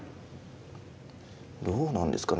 どうなんですかね。